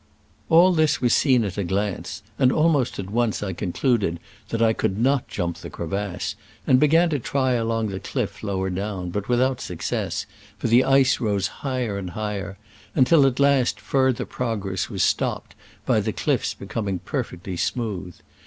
All this was seen at a glance, and almost at once I concluded that I could not jump the crevasse, and began to try along the clifTlower down, but with out success, for the ice rose higher and higher, until at last farther progress was stopped by the cliffs becoming perfectly smooth.